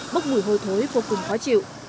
bốc mùi hôi thối vô cùng khó chịu